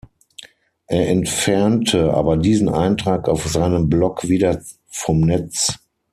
Er entfernte aber diesen Eintrag auf seinem Blog wieder vom Netz.